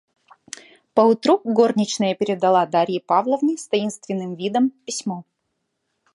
Поутру горничная передала Дарье Павловне, с таинственным видом, письмо.